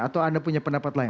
atau anda punya pendapat lain